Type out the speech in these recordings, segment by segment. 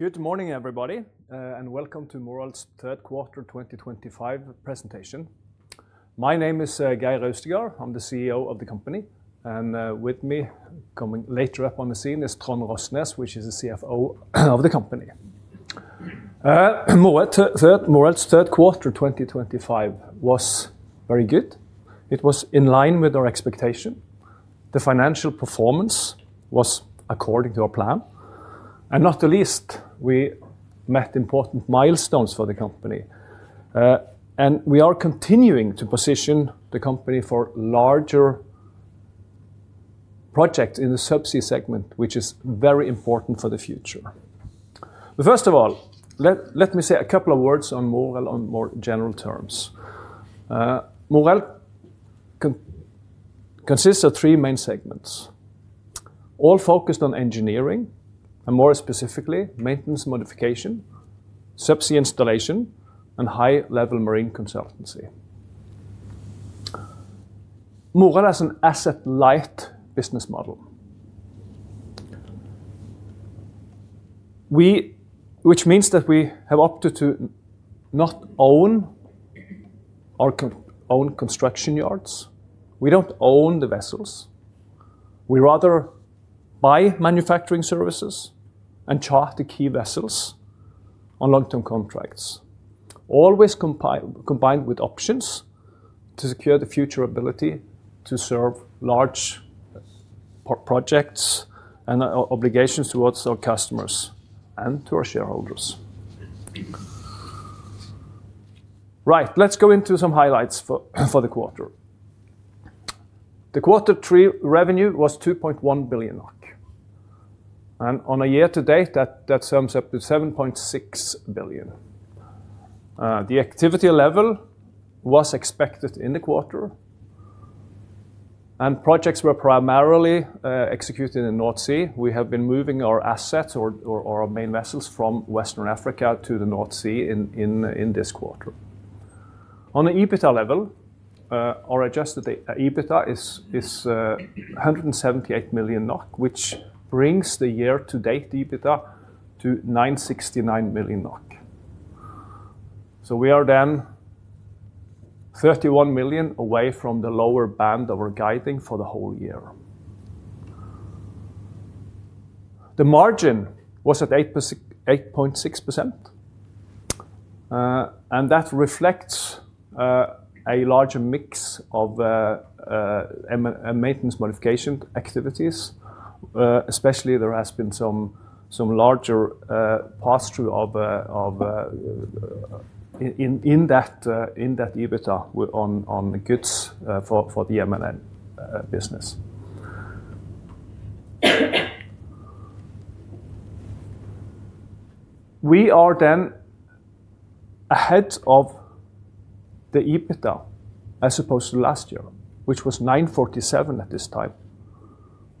Good morning, everybody, and welcome to Moreld's Third Quarter 2025 presentation. My name is Geir Austigard. I'm the CEO of the company, and with me, coming later up on the scene, is Trond Rosnes, who is the CFO of the company. Moreld's Third Quarter 2025 was very good. It was in line with our expectation. The financial performance was according to our plan. Not the least, we met important milestones for the company. We are continuing to position the company for larger projects in the subsea segment, which is very important for the future. First of all, let me say a couple of words on Moreld on more general terms. Moreld consists of three main segments, all focused on engineering and, more specifically, maintenance, modification, subsea installation, and high-level marine consultancy. Moreld has an asset-light business model, which means that we have opted to not own our own construction yards. We don't own the vessels. We rather buy manufacturing services and charter key vessels on long-term contracts, always combined with options to secure the future ability to serve large projects and obligations towards our customers and to our shareholders. Right, let's go into some highlights for the quarter. The quarter three revenue was 2.1 billion. And on a year-to-date, that sums up to 7.6 billion. The activity level was expected in the quarter, and projects were primarily executed in the North Sea. We have been moving our assets or our main vessels from West Africa to the North Sea in this quarter. On the EBITDA level, our Adjusted EBITDA is 178 million NOK, which brings the year-to-date EBITDA to 969 million NOK. We are then 31 million away from the lower band that we're guiding for the whole year. The margin was at 8.6%, and that reflects a larger mix of maintenance modification activities. Especially, there has been some larger pass-through in that EBITDA on goods for the MMO business. We are then ahead of the EBITDA as opposed to last year, which was 947 million at this time.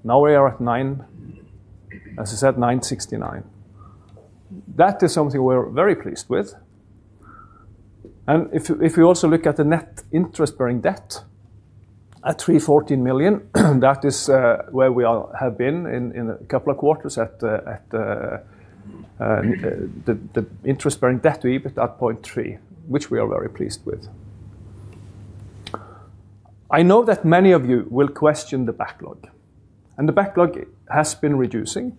Now we are at, as I said, 969 million. That is something we're very pleased with. If we also look at the net interest-bearing debt at 314 million, that is where we have been in a couple of quarters at the interest-bearing debt EBITDA at 0.3, which we are very pleased with. I know that many of you will question the backlog, and the backlog has been reducing.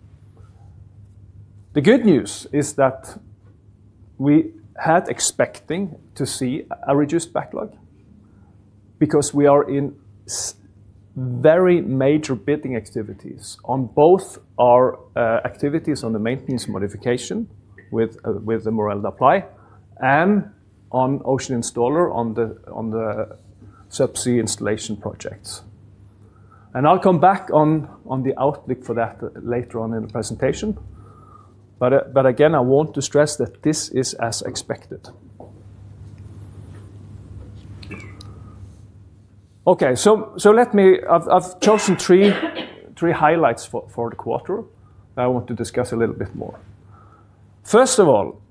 The good news is that we had expected to see a reduced backlog because we are in very major bidding activities on both our activities on the maintenance modification with the Moreld Apply and on Ocean Installer on the subsea installation projects. I will come back on the outlook for that later on in the presentation. Again, I want to stress that this is as expected. I have chosen three highlights for the quarter that I want to discuss a little bit more. First of all,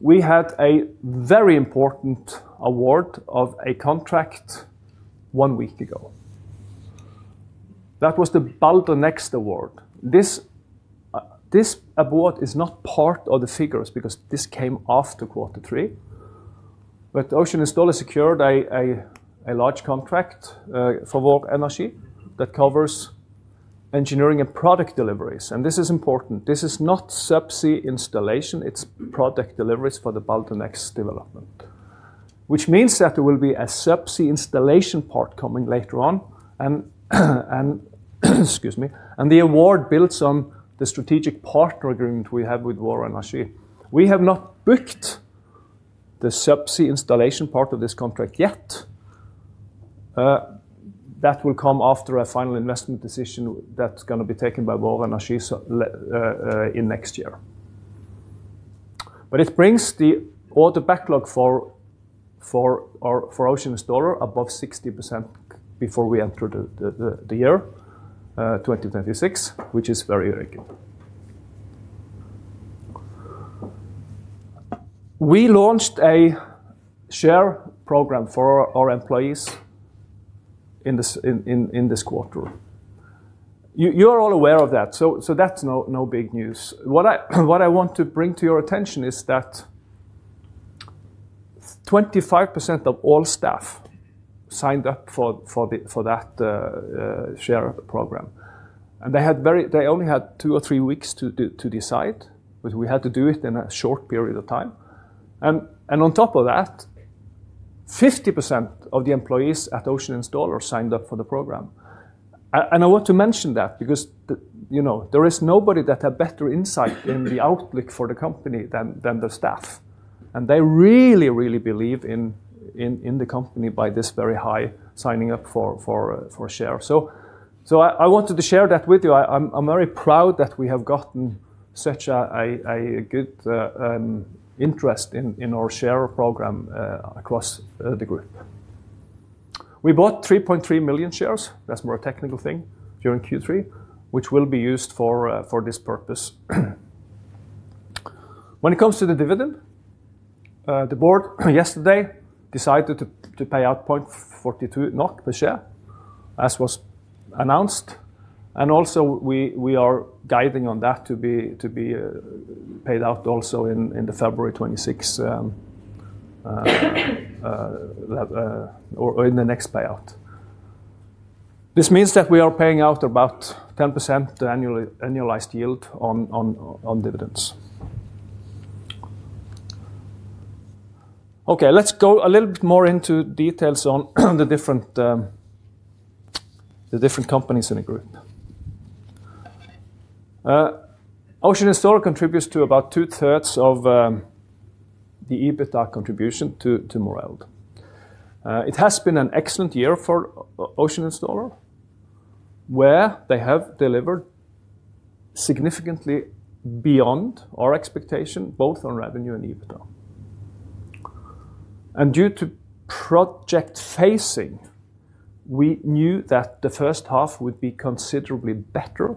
we had a very important award of a contract one week ago. That was the BaltA Next award. This award is not part of the figures because this came after quarter three. Ocean Installer secured a large contract for Vår Energi that covers engineering and product deliveries. This is important. This is not subsea installation. It's product deliveries for the BaltA Next development, which means that there will be a subsea installation part coming later on. The award builds on the strategic partner agreement we have with Vår Energi. We have not booked the subsea installation part of this contract yet. That will come after a final investment decision that's going to be taken by Vår Energi in next year. It brings the order backlog for Ocean Installer above 60% before we enter the year 2026, which is very urgent. We launched a share program for our employees in this quarter. You are all aware of that, so that's no big news. What I want to bring to your attention is that 25% of all staff signed up for that share program. They only had two or three weeks to decide, but we had to do it in a short period of time. On top of that, 50% of the employees at Ocean Installer signed up for the program. I want to mention that because there is nobody that has better insight in the outlook for the company than the staff. They really, really believe in the company by this very high signing up for shares. I wanted to share that with you. I'm very proud that we have gotten such a good interest in our share program across the group. We bought 3.3 million shares. That's more a technical thing during Q3, which will be used for this purpose. When it comes to the dividend, the board yesterday decided to pay out 0.42 NOK per share, as was announced. We are guiding on that to be paid out also in February 2026 or in the next payout. This means that we are paying out about 10% annualized yield on dividends. Let's go a little bit more into details on the different companies in the group. Ocean Installer contributes to about two-thirds of the EBITDA contribution to Moreld. It has been an excellent year for Ocean Installer, where they have delivered significantly beyond our expectation, both on revenue and EBITDA. Due to project phasing, we knew that the first half would be considerably better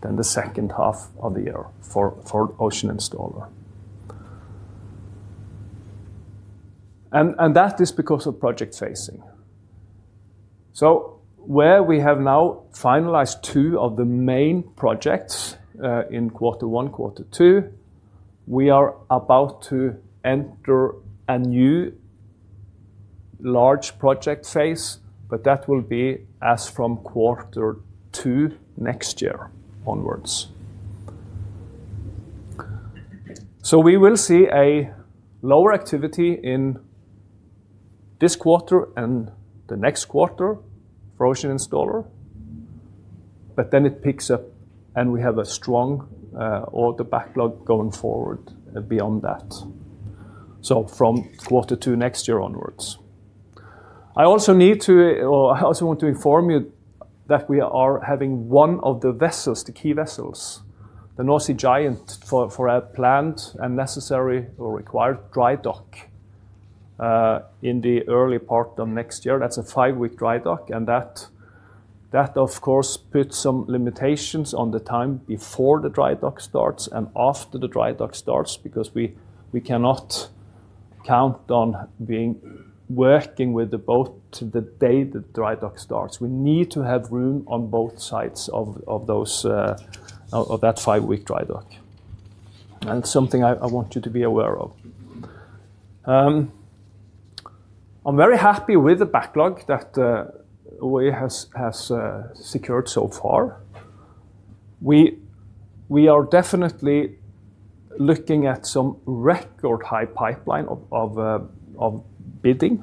than the second half of the year for Ocean Installer. That is because of project phasing. Where we have now finalized two of the main projects in quarter one, quarter two, we are about to enter a new large project phase, but that will be as from quarter two next year onwards. We will see a lower activity in this quarter and the next quarter for Ocean Installer, but then it picks up and we have a strong order backlog going forward beyond that, from quarter two next year onwards. I also want to inform you that we are having one of the vessels, the key vessels, the North Sea Giant, for our planned and necessary or required dry dock in the early part of next year. That is a five-week dry dock. That, of course, puts some limitations on the time before the dry dock starts and after the dry dock starts because we cannot count on working with the boat the day the dry dock starts. We need to have room on both sides of that five-week dry dock. It is something I want you to be aware of. I am very happy with the backlog that we have secured so far. We are definitely looking at some record-high pipeline of bidding,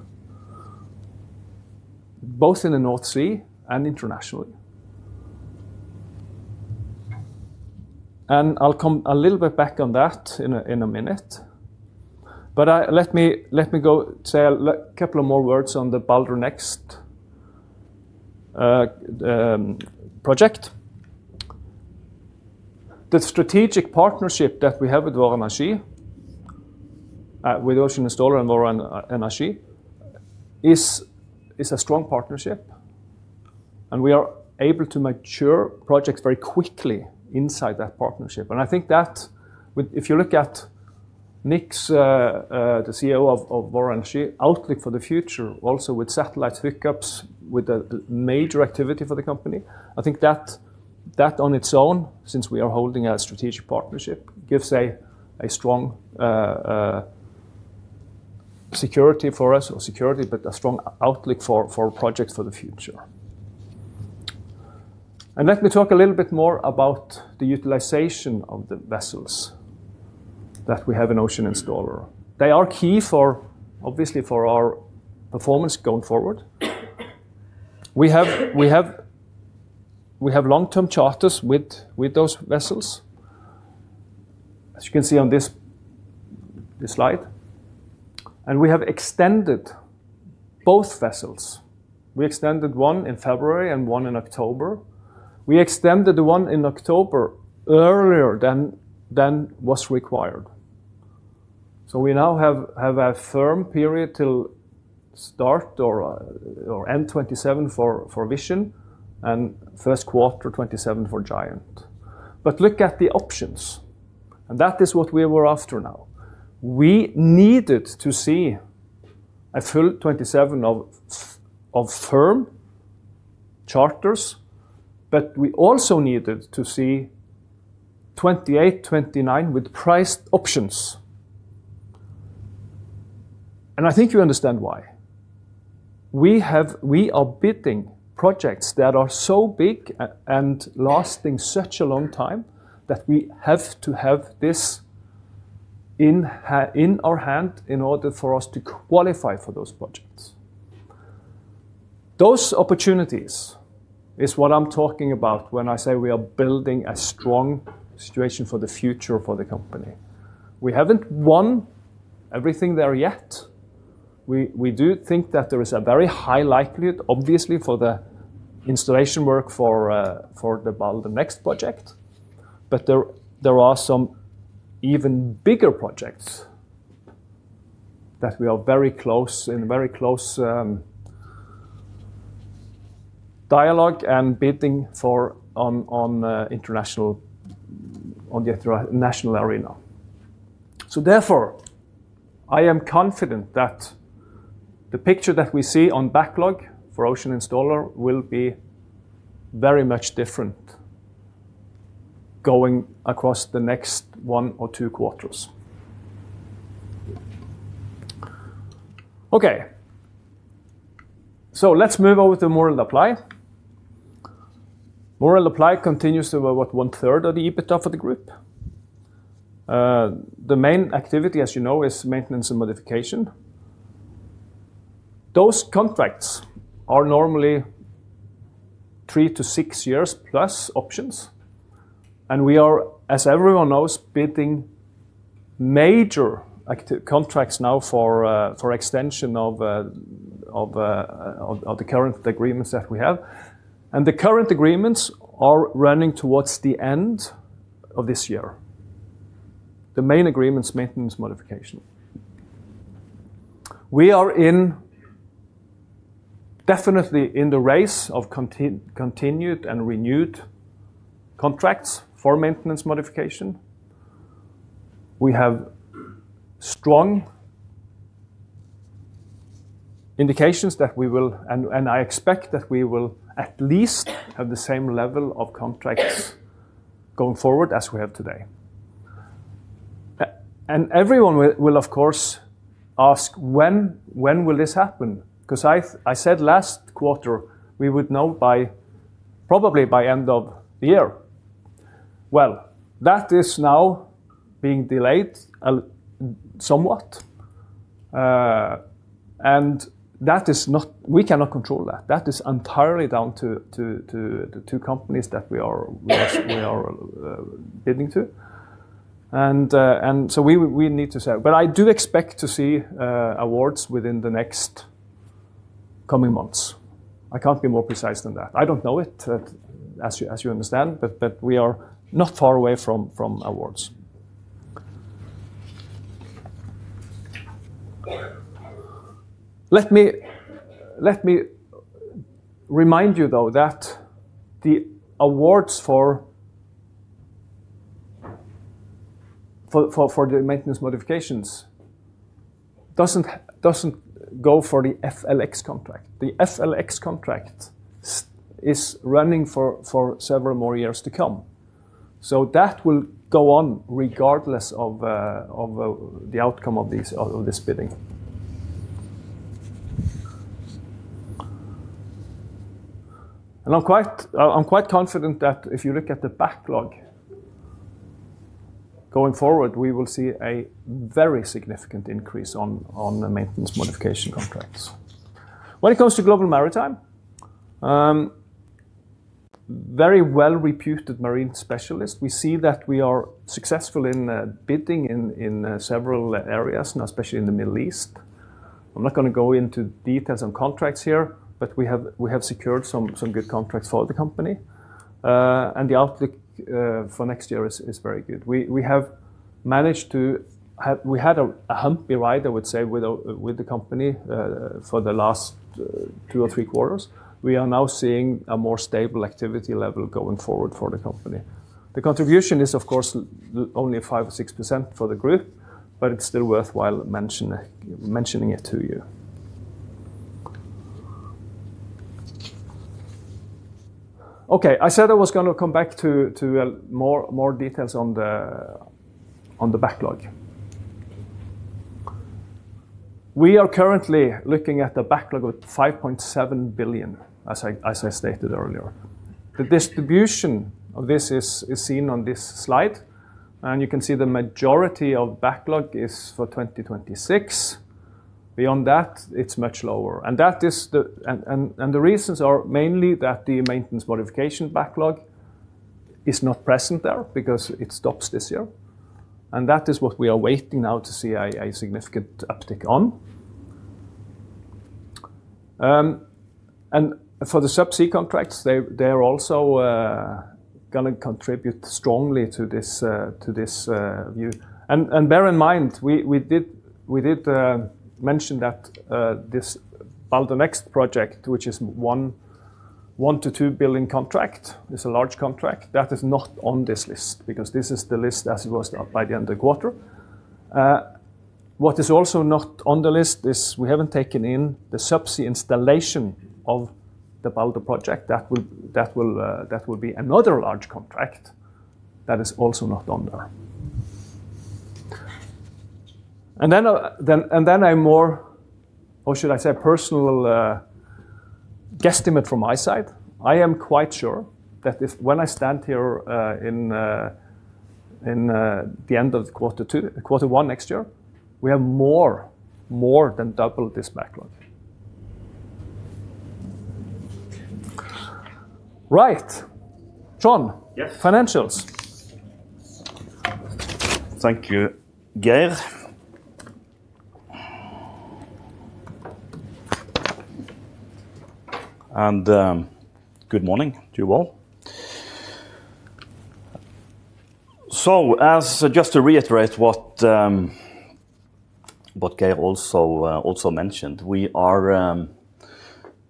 both in the North Sea and internationally. I will come a little bit back on that in a minute. Let me say a couple more words on the BaltA Next project. The strategic partnership that we have with Vår Energi, with Ocean Installer and Vår Energi, is a strong partnership. We are able to mature projects very quickly inside that partnership. I think that if you look at Nick, the CEO of Vår Energi, outlook for the future, also with satellite hookups, with the major activity for the company, I think that on its own, since we are holding a strategic partnership, gives a strong security for us, or security, but a strong outlook for projects for the future. Let me talk a little bit more about the utilization of the vessels that we have in Ocean Installer. They are key, obviously, for our performance going forward. We have long-term charters with those vessels, as you can see on this slide. We have extended both vessels. We extended one in February and one in October. We extended the one in October earlier than was required. We now have a firm period till start or end 2027 for Vision and first quarter 2027 for Giant. Look at the options. That is what we were after now. We needed to see a full 27 of firm charters, but we also needed to see 28, 29 with priced options. I think you understand why. We are bidding projects that are so big and lasting such a long time that we have to have this in our hand in order for us to qualify for those projects. Those opportunities are what I'm talking about when I say we are building a strong situation for the future for the company. We haven't won everything there yet. We do think that there is a very high likelihood, obviously, for the installation work for the BaltA Next project. There are some even bigger projects that we are in very close dialogue and bidding for on the international arena. Therefore, I am confident that the picture that we see on backlog for Ocean Installer will be very much different going across the next one or two quarters. Okay, let's move over to Moreld Apply. Moreld Apply continues to be about one-third of the EBITDA for the group. The main activity, as you know, is maintenance and modification. Those contracts are normally three to six years plus options. We are, as everyone knows, bidding major contracts now for extension of the current agreements that we have. The current agreements are running towards the end of this year. The main agreements, maintenance, modification. We are definitely in the race of continued and renewed contracts for maintenance modification. We have strong indications that we will, and I expect that we will at least have the same level of contracts going forward as we have today. Everyone will, of course, ask, when will this happen? Because I said last quarter, we would know probably by end of the year. That is now being delayed somewhat. We cannot control that. That is entirely down to two companies that we are bidding to. I do expect to see awards within the next coming months. I cannot be more precise than that. I do not know it, as you understand, but we are not far away from awards. Let me remind you, though, that the awards for the maintenance modifications do not go for the FLX contract. The FLX contract is running for several more years to come. That will go on regardless of the outcome of this bidding. I'm quite confident that if you look at the backlog going forward, we will see a very significant increase on maintenance modification contracts. When it comes to Global Maritime, very well-reputed marine specialists, we see that we are successful in bidding in several areas, especially in the Middle East. I'm not going to go into details on contracts here, but we have secured some good contracts for the company. The outlook for next year is very good. We have managed to have, we had a humpy ride, I would say, with the company for the last two or three quarters. We are now seeing a more stable activity level going forward for the company. The contribution is, of course, only 5% or 6% for the group, but it's still worthwhile mentioning it to you. Okay, I said I was going to come back to more details on the backlog. We are currently looking at a backlog of 5.7 billion, as I stated earlier. The distribution of this is seen on this slide. You can see the majority of backlog is for 2026. Beyond that, it is much lower. The reasons are mainly that the maintenance modification backlog is not present there because it stops this year. That is what we are waiting now to see a significant uptick on. For the subsea contracts, they are also going to contribute strongly to this view. Bear in mind, we did mention that this BaltA Next project, which is a 1 billion-2 billion contract, is a large contract. That is not on this list because this is the list as it was by the end of the quarter. What is also not on the list is we have not taken in the subsea installation of the BaltA project. That will be another large contract that is also not on there. Then a more, or should I say, personal guesstimate from my side. I am quite sure that when I stand here in the end of quarter one next year, we have more than double this backlog. Right. Trond, financials. Thank you, Geir. Good morning to you all. Just to reiterate what Geir also mentioned, we are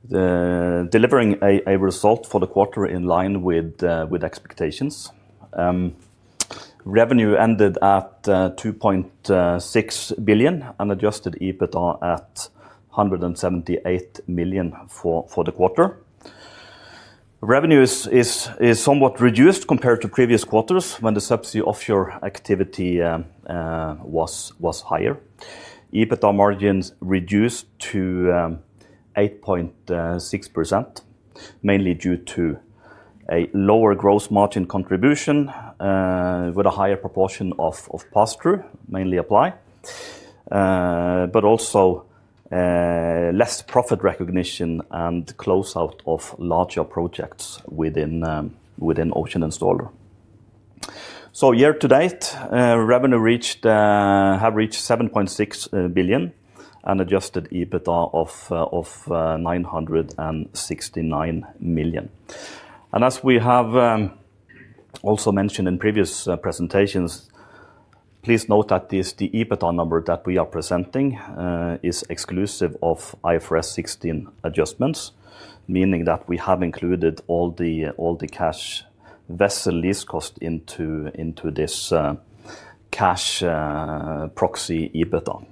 delivering a result for the quarter in line with expectations. Revenue ended at 2.6 billion and Adjusted EBITDA at 178 million for the quarter. Revenue is somewhat reduced compared to previous quarters when the subsea offshore activity was higher. EBITDA margins reduced to 8.6%, mainly due to a lower gross margin contribution with a higher proportion of pass-through, mainly Apply, but also less profit recognition and closeout of larger projects within Ocean Installer. Year to date, revenue have reached 7.6 billion and Adjusted EBITDA of 969 million. As we have also mentioned in previous presentations, please note that the EBITDA number that we are presenting is exclusive of IFRS 16 adjustments, meaning that we have included all the cash vessel lease cost into this cash proxy EBITDA.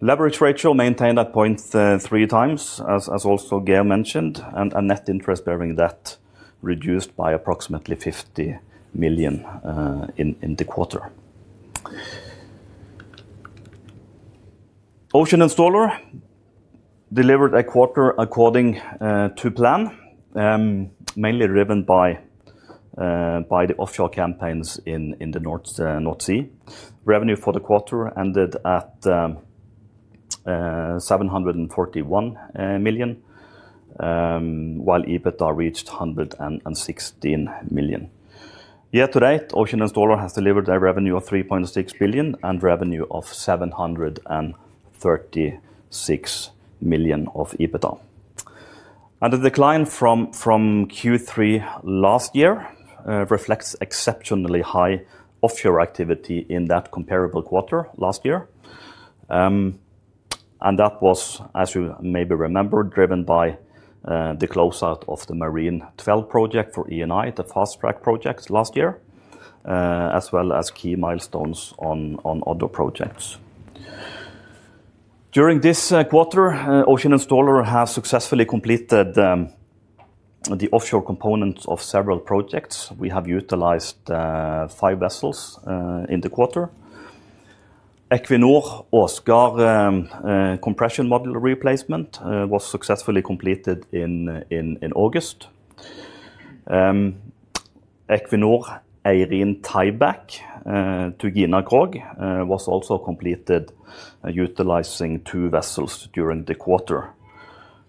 Leverage ratio maintained at 0.3x, as also Geir mentioned, and net interest-bearing debt reduced by approximately 50 million in the quarter. Ocean Installer delivered a quarter according to plan, mainly driven by the offshore campaigns in the North Sea. Revenue for the quarter ended at 741 million, while EBITDA reached 116 million. Year to date, Ocean Installer has delivered a revenue of 3.6 billion and revenue of 736 million of EBITDA. The decline from Q3 last year reflects exceptionally high offshore activity in that comparable quarter last year. That was, as you maybe remember, driven by the closeout of the Marine 12 project for E&I, the fast track project last year, as well as key milestones on other projects. During this quarter, Ocean Installer has successfully completed the offshore components of several projects. We have utilized five vessels in the quarter. Equinor Oskar Compression modular replacement was successfully completed in August. Equinor Eirene tieback to Gina Krog was also completed, utilizing two vessels during the quarter,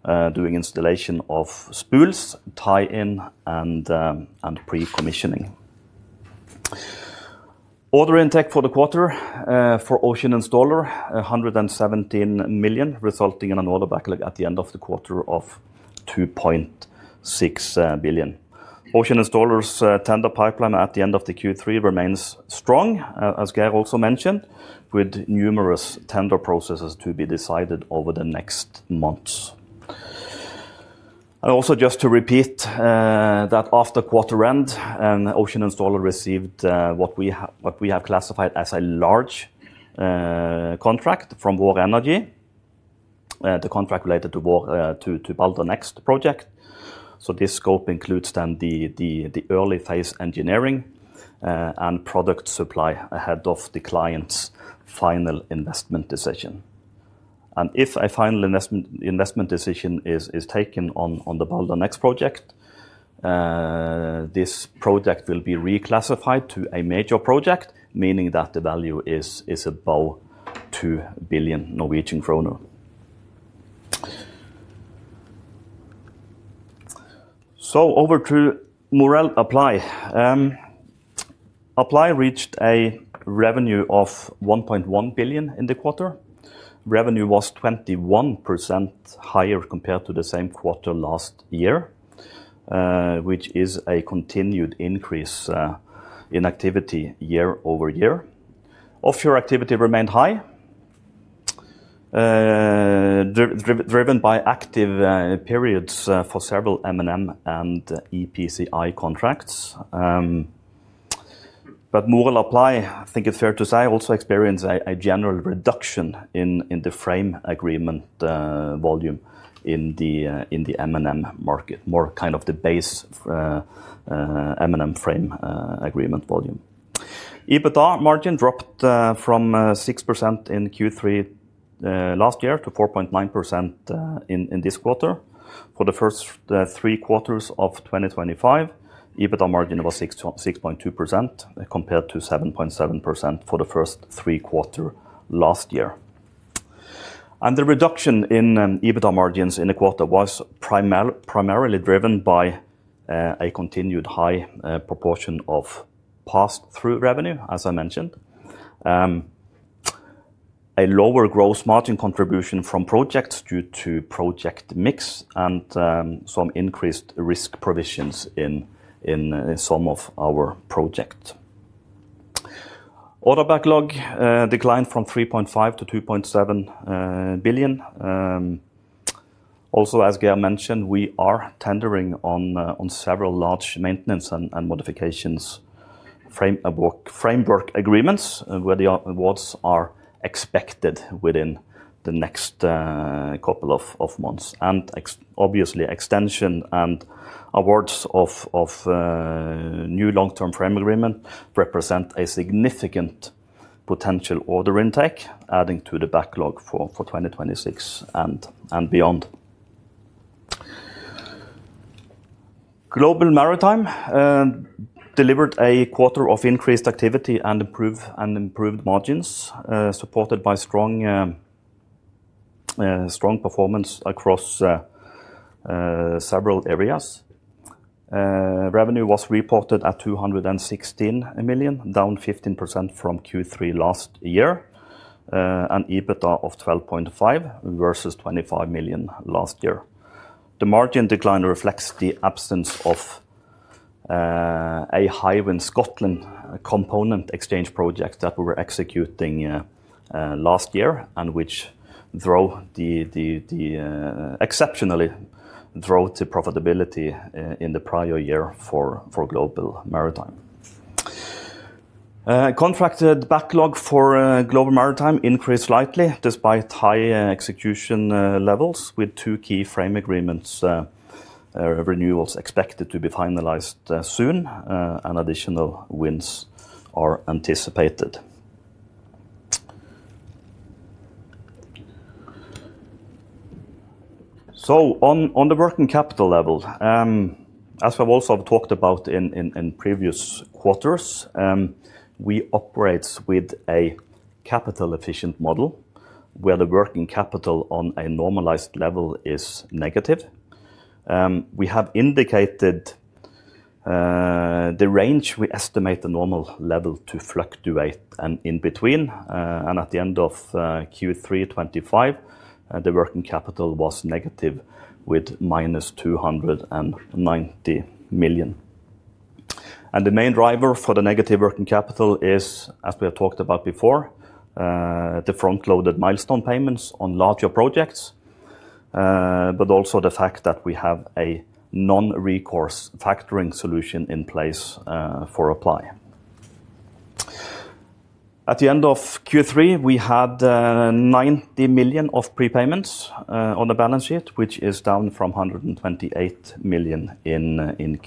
doing installation of spools, tie-in, and pre-commissioning. Order intake for the quarter for Ocean Installer, 117 million, resulting in an order backlog at the end of the quarter of 2.6 billion. Ocean Installer's tender pipeline at the end of the Q3 remains strong, as Geir also mentioned, with numerous tender processes to be decided over the next months. Just to repeat that after quarter end, Ocean Installer received what we have classified as a large contract from Vår Energi, the contract related to BaltA Next project. This scope includes then the early phase engineering and product supply ahead of the client's final investment decision. If a final investment decision is taken on the BaltA Next project, this project will be reclassified to a major project, meaning that the value is above 2 billion Norwegian kroner. Over to Moreld Apply. Apply reached a revenue of 1.1 billion in the quarter. Revenue was 21% higher compared to the same quarter last year, which is a continued increase in activity year-over-year. Offshore activity remained high, driven by active periods for several M&M and EPCI contracts. Moreld Apply, I think it's fair to say, also experienced a general reduction in the frame agreement volume in the M&M market, more kind of the base M&M frame agreement volume. EBITDA margin dropped from 6% in Q3 last year to 4.9% in this quarter. For the first three quarters of 2025, EBITDA margin was 6.2% compared to 7.7% for the first three quarters last year. The reduction in EBITDA margins in the quarter was primarily driven by a continued high proportion of pass-through revenue, as I mentioned. A lower gross margin contribution from projects due to project mix and some increased risk provisions in some of our projects. Order backlog declined from 3.5 billion to 2.7 billion. Also, as Geir mentioned, we are tendering on several large maintenance and modifications framework agreements where the awards are expected within the next couple of months. Obviously, extension and awards of new long-term frame agreement represent a significant potential order intake, adding to the backlog for 2026 and beyond. Global Maritime delivered a quarter of increased activity and improved margins, supported by strong performance across several areas. Revenue was reported at 216 million, down 15% from Q3 last year, and EBITDA of 12.5 million versus 25 million last year. The margin decline reflects the absence of a Highwind Scotland component exchange project that we were executing last year and which exceptionally drove the profitability in the prior year for Global Maritime. Contracted backlog for Global Maritime increased slightly despite high execution levels, with two key frame agreements renewals expected to be finalized soon. Additional wins are anticipated. On the working capital level, as we've also talked about in previous quarters, we operate with a capital efficient model where the working capital on a normalized level is negative. We have indicated the range we estimate the normal level to fluctuate in between. At the end of Q3 2025, the working capital was negative with 290 million. The main driver for the negative working capital is, as we have talked about before, the front-loaded milestone payments on larger projects, but also the fact that we have a non-recourse factoring solution in place for Apply. At the end of Q3, we had 90 million of prepayments on the balance sheet, which is down from 128 million in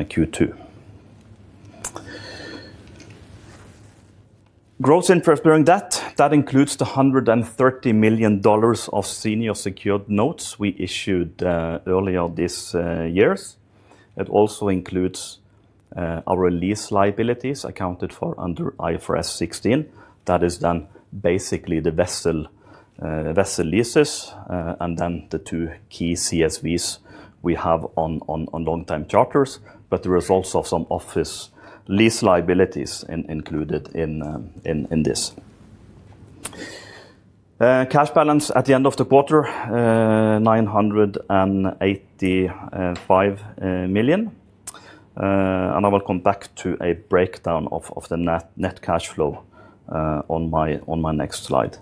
Q2. Gross interest bearing debt includes the $130 million of senior secured notes we issued earlier this year. It also includes our lease liabilities accounted for under IFRS 16. That is then basically the vessel leases and then the two key CSVs we have on long-time charters, but the results of some office lease liabilities included in this. Cash balance at the end of the quarter, 985 million. I will come back to a breakdown of the net cash flow on my next slide.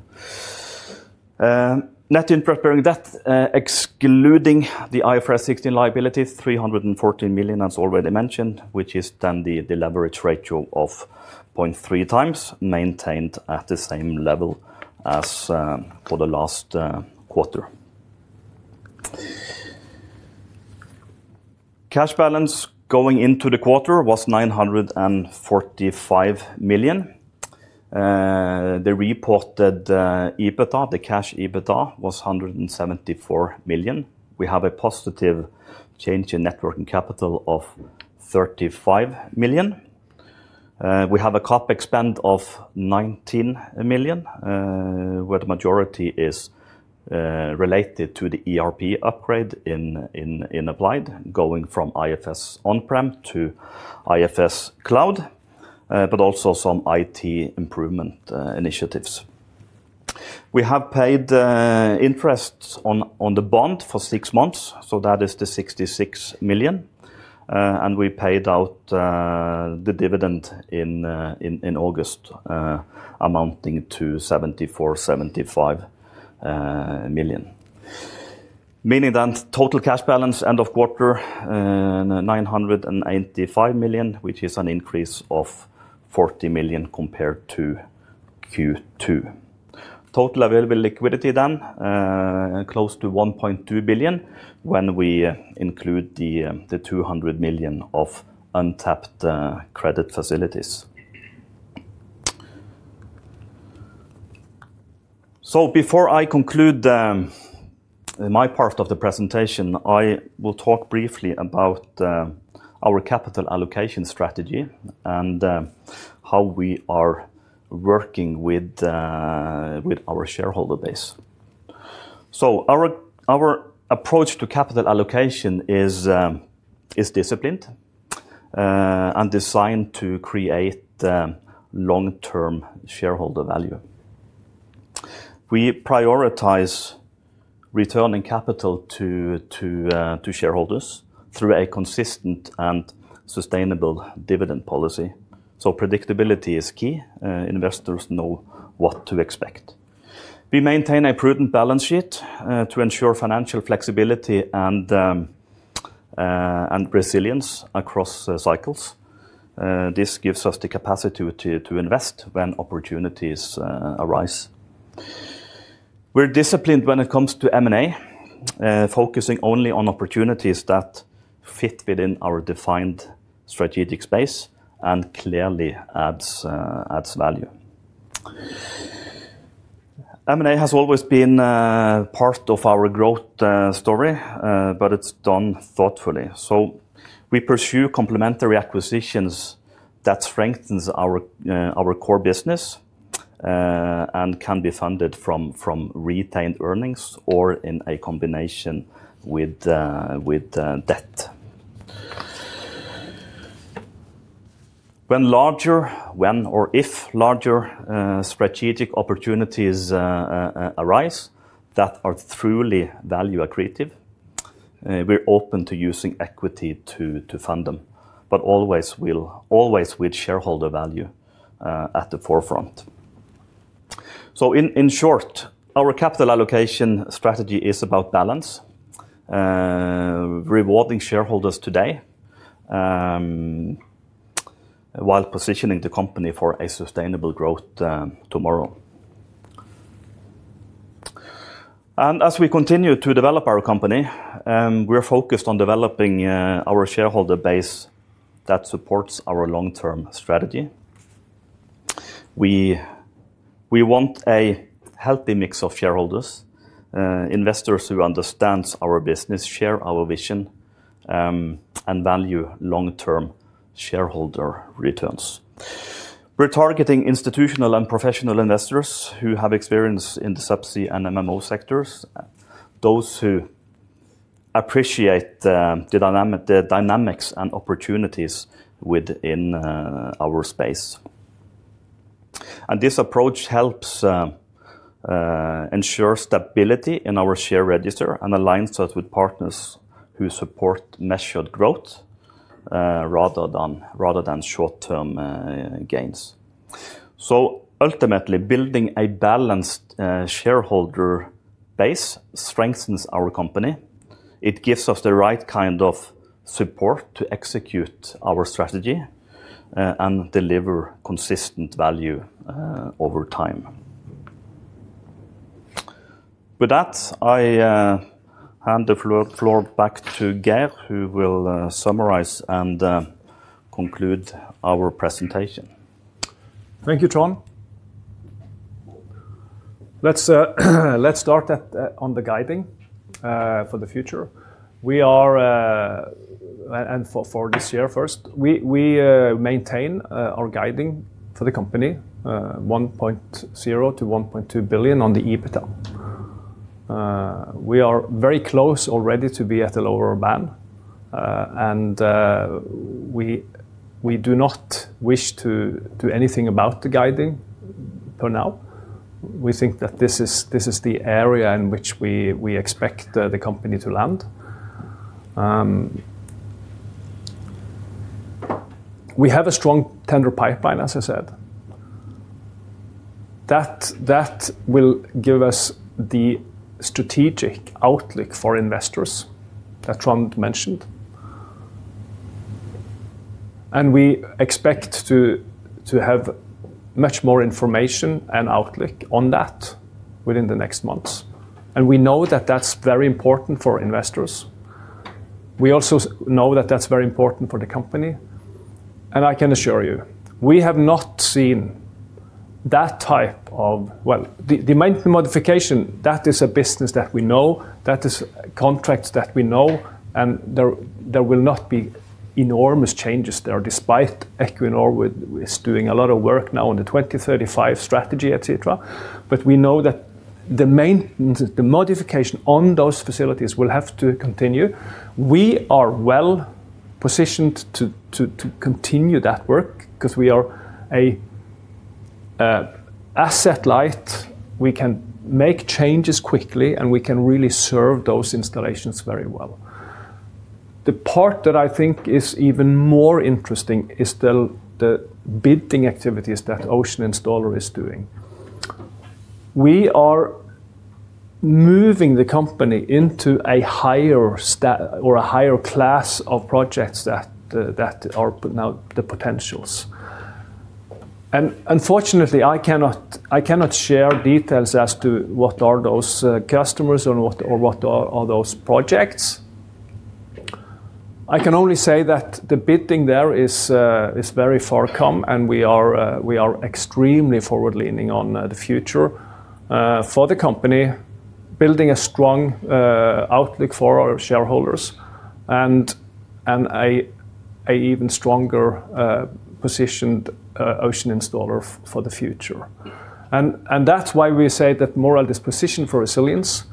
Net interest bearing debt, excluding the IFRS 16 liabilities, 314 million, as already mentioned, which is then the leverage ratio of 0.3 times, maintained at the same level as for the last quarter. Cash balance going into the quarter was 945 million. The reported EBITDA, the cash EBITDA, was 174 million. We have a positive change in net working capital of 35 million. We have a CapEx spend of 19 million, where the majority is related to the ERP upgrade in Apply, going from IFS on-prem to IFS Cloud, but also some IT improvement initiatives. We have paid interest on the bond for six months, so that is the 66 million. We paid out the dividend in August, amounting to 74-75 million. Meaning that total cash balance end of quarter, 985 million, which is an increase of 40 million compared to Q2. Total available liquidity then, close to 1.2 billion when we include the 200 million of untapped credit facilities. Before I conclude my part of the presentation, I will talk briefly about our capital allocation strategy and how we are working with our shareholder base. Our approach to capital allocation is disciplined and designed to create long-term shareholder value. We prioritize returning capital to shareholders through a consistent and sustainable dividend policy. Predictability is key. Investors know what to expect. We maintain a prudent balance sheet to ensure financial flexibility and resilience across cycles. This gives us the capacity to invest when opportunities arise. We're disciplined when it comes to M&A, focusing only on opportunities that fit within our defined strategic space and clearly add value. M&A has always been part of our growth story, but it's done thoughtfully. We pursue complementary acquisitions that strengthen our core business and can be funded from retained earnings or in a combination with debt. When or if larger strategic opportunities arise that are truly value accretive, we're open to using equity to fund them, but always with shareholder value at the forefront. In short, our capital allocation strategy is about balance, rewarding shareholders today while positioning the company for a sustainable growth tomorrow. As we continue to develop our company, we're focused on developing our shareholder base that supports our long-term strategy. We want a healthy mix of shareholders, investors who understand our business, share our vision, and value long-term shareholder returns. We're targeting institutional and professional investors who have experience in the subsea and MMO sectors, those who appreciate the dynamics and opportunities within our space. This approach helps ensure stability in our share register and aligns us with partners who support measured growth rather than short-term gains. Ultimately, building a balanced shareholder base strengthens our company. It gives us the right kind of support to execute our strategy and deliver consistent value over time. With that, I hand the floor back to Geir, who will summarize and conclude our presentation. Thank you, Trond. Let's start on the guiding for the future. We are, and for this year first, we maintain our guiding for the company, 1.0 billion-1.2 billion on the EBITDA. We are very close already to be at a lower band, and we do not wish to do anything about the guiding for now. We think that this is the area in which we expect the company to land. We have a strong tender pipeline, as I said. That will give us the strategic outlook for investors that Trond mentioned. We expect to have much more information and outlook on that within the next months. We know that that's very important for investors. We also know that that's very important for the company. I can assure you, we have not seen that type of, well, the maintenance modification, that is a business that we know, that is contracts that we know, and there will not be enormous changes there despite Equinor is doing a lot of work now on the 2035 strategy, etc. We know that the maintenance, the modification on those facilities will have to continue. We are well positioned to continue that work because we are asset light. We can make changes quickly, and we can really serve those installations very well. The part that I think is even more interesting is the bidding activities that Ocean Installer is doing. We are moving the company into a higher class of projects that are now the potentials. Unfortunately, I cannot share details as to what are those customers or what are those projects. I can only say that the bidding there is very far come, and we are extremely forward-leaning on the future for the company, building a strong outlook for our shareholders and an even stronger positioned Ocean Installer for the future. That is why we say that Moreld is positioned for resilience.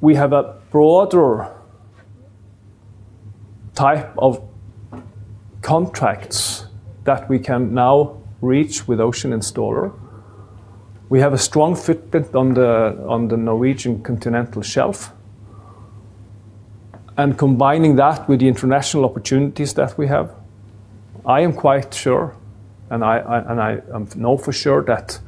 We have a broader type of contracts that we can now reach with Ocean Installer. We have a strong footprint on the Norwegian Continental Shelf. Combining that with the international opportunities that we have, I am quite sure, and I know for sure that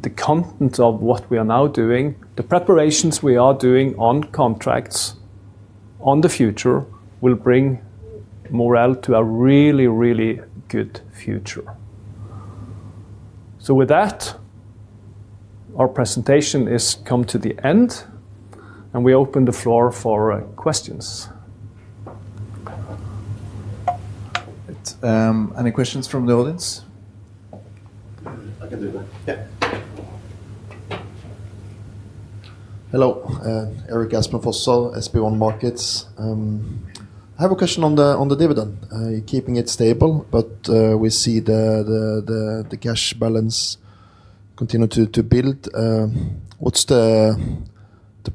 the contents of what we are now doing, the preparations we are doing on contracts on the future will bring Moreld to a really, really good future. With that, our presentation has come to the end, and we open the floor for questions. Any questions from the audience? I can do that. Yeah. Hello. Erik Aspen Fosså I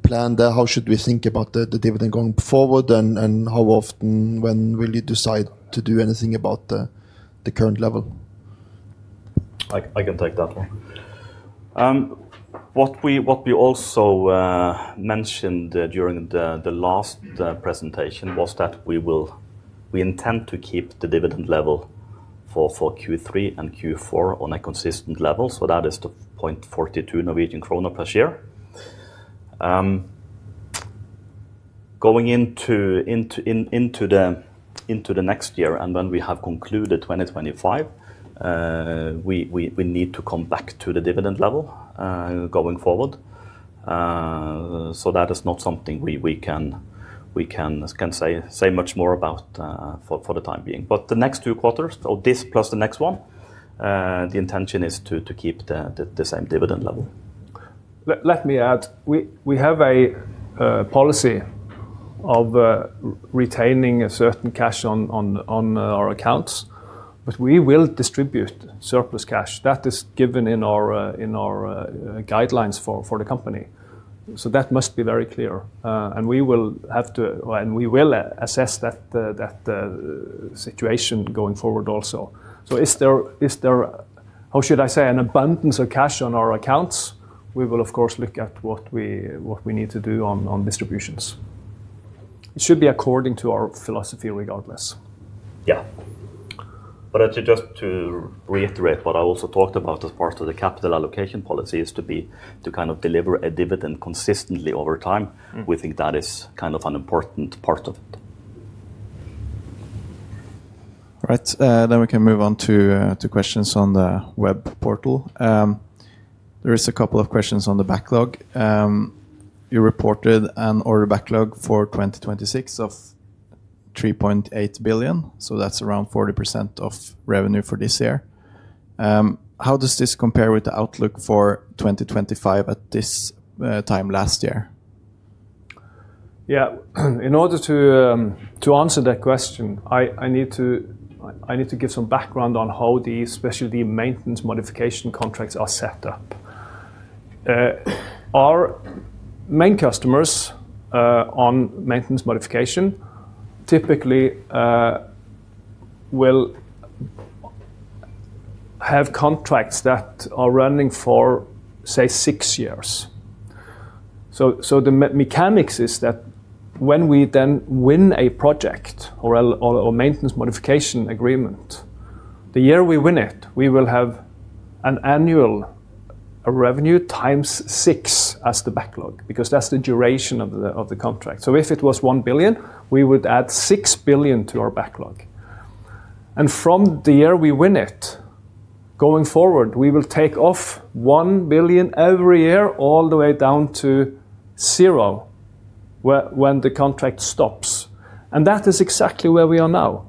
can take that one. What we also mentioned during the last presentation was that we intend to keep the dividend level for Q3 and Q4 on a consistent level. So that is the 0.42 Norwegian krone per share. Going into the next year and when we have concluded 2025, we need to come back to the dividend level going forward. That is not something we can say much more about for the time being. The next two quarters, or this plus the next one, the intention is to keep the same dividend level. Let me add, we have a policy of retaining a certain cash on our accounts, but we will distribute surplus cash. That is given in our guidelines for the company. That must be very clear. We will assess that situation going forward also. If there is, how should I say, an abundance of cash on our accounts, we will, of course, look at what we need to do on distributions. It should be according to our philosophy regardless. Yeah. Just to reiterate what I also talked about as part of the capital allocation policy, it is to kind of deliver a dividend consistently over time. We think that is kind of an important part of it. All right. We can move on to questions on the web portal. There are a couple of questions on the backlog. You reported an order backlog for 2026 of 3.8 billion. That is around 40% of revenue for this year. How does this compare with the outlook for 2025 at this time last year? Yeah. In order to answer that question, I need to give some background on how these specialty maintenance modification contracts are set up. Our main customers on maintenance modification typically will have contracts that are running for, say, six years. The mechanics is that when we then win a project or maintenance modification agreement, the year we win it, we will have an annual revenue times six as the backlog because that is the duration of the contract. If it was 1 billion, we would add 6 billion to our backlog. From the year we win it, going forward, we will take off 1 billion every year all the way down to zero when the contract stops. That is exactly where we are now.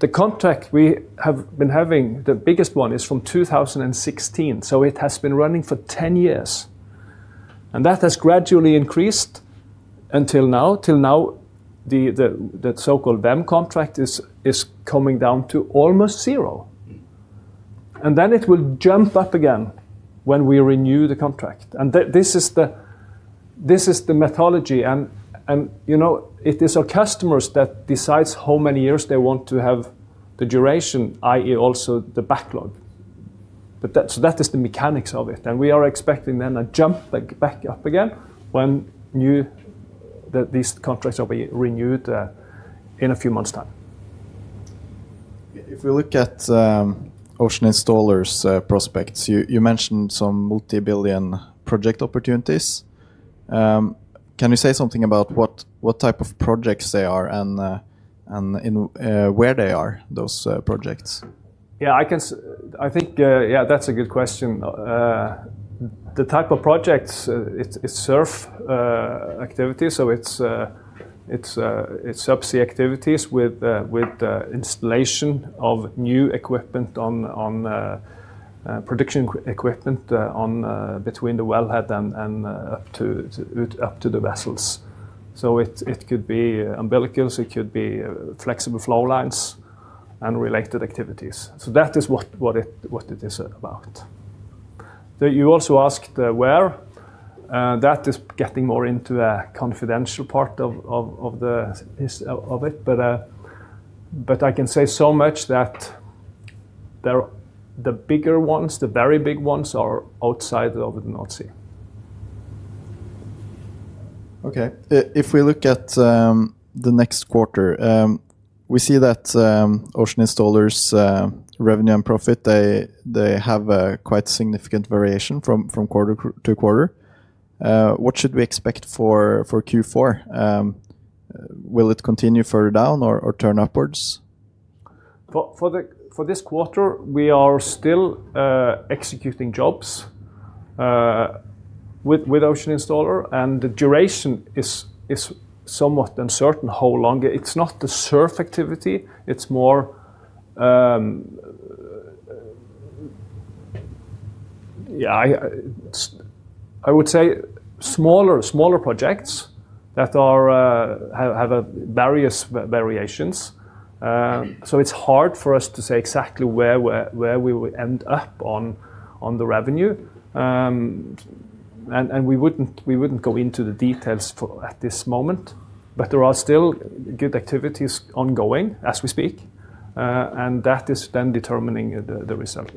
The contract we have been having, the biggest one is from 2016, so it has been running for 10 years. That has gradually increased until now. Till now, the so-called VEM contract is coming down to almost zero. Then it will jump up again when we renew the contract. This is the methodology. It is our customers that decide how many years they want to have the duration, i.e., also the backlog. That is the mechanics of it. We are expecting then a jump back up again when these contracts will be renewed in a few months' time. If we look at Ocean Installer's prospects, you mentioned some multi-billion project opportunities. Can you say something about what type of projects they are and where they are, those projects? Yeah, I think, yeah, that's a good question. The type of projects, it's SURF activities. So it's subsea activities with installation of new equipment on production equipment between the wellhead and up to the vessels. It could be umbilicals, it could be flexible flow lines and related activities. That is what it is about. You also asked where. That is getting more into a confidential part of it. I can say so much that the bigger ones, the very big ones are outside of the North Sea. Okay. If we look at the next quarter, we see that Ocean Installer's revenue and profit, they have quite significant variation from quarter to quarter. What should we expect for Q4? Will it continue further down or turn upwards? For this quarter, we are still executing jobs with Ocean Installer, and the duration is somewhat uncertain how long. It is not the SURF activity. It is more, yeah, I would say smaller projects that have various variations. It is hard for us to say exactly where we will end up on the revenue. We would not go into the details at this moment, but there are still good activities ongoing as we speak. That is then determining the result.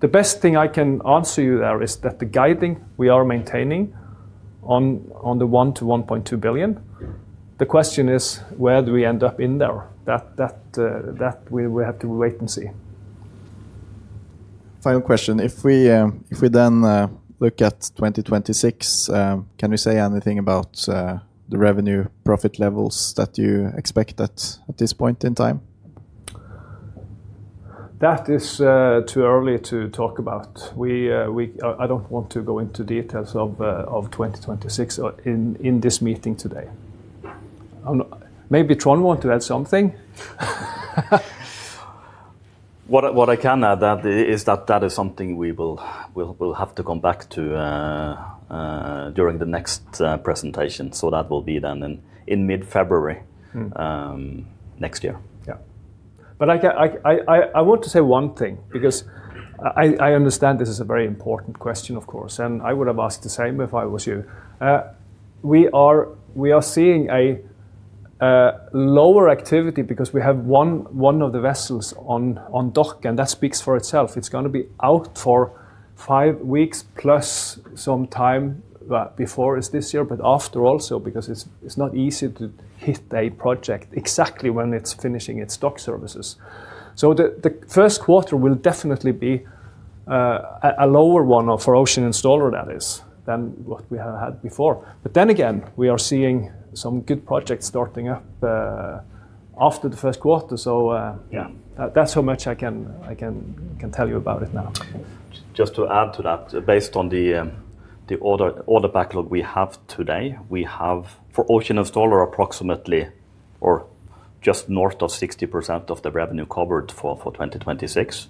The best thing I can answer you there is that the guiding we are maintaining on the 1 billion-1.2 billion. The question is, where do we end up in there? That we have to wait and see. Final question. If we then look at 2026, can you say anything about the revenue profit levels that you expect at this point in time? That is too early to talk about. I do not want to go into details of 2026 in this meeting today. Maybe Trond wanted to add something. What I can add is that that is something we will have to come back to during the next presentation. That will be then in mid-February next year. Yeah. I want to say one thing because I understand this is a very important question, of course, and I would have asked the same if I was you. We are seeing a lower activity because we have one of the vessels on dock, and that speaks for itself. It's going to be out for five weeks plus some time before it's this year, but also after because it's not easy to hit a project exactly when it's finishing its dock services. The first quarter will definitely be a lower one for Ocean Installer, that is, than what we have had before. We are seeing some good projects starting up after the first quarter. That's how much I can tell you about it now. Just to add to that, based on the order backlog we have today, we have for Ocean Installer approximately or just north of 60% of the revenue covered for 2026.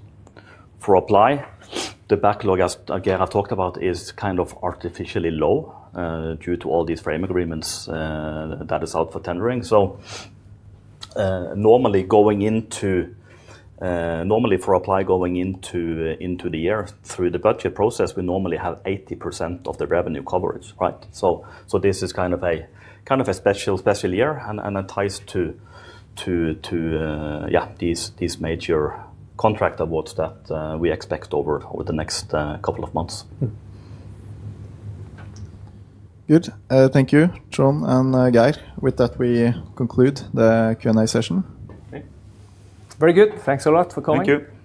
For Apply, the backlog as Geir has talked about is kind of artificially low due to all these frame agreements that are out for tendering. Normally for Apply going into the year through the budget process, we normally have 80% of the revenue coverage, right? This is kind of a special year and it ties to, yeah, these major contract awards that we expect over the next couple of months. Good. Thank you, Trond and Geir. With that, we conclude the Q&A session. Okay. Very good. Thanks a lot for coming. Thank you.